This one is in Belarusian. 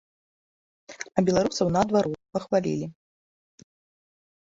А беларусаў, наадварот, пахвалілі.